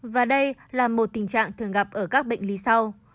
và đây là một tình trạng thường gặp ở các bệnh lý sau